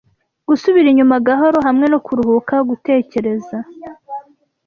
Gusubira inyuma gahoro, hamwe no kuruhuka gutekereza,